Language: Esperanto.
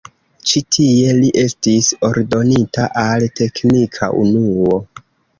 Ĉi tie li estis ordonita al teknika unuo.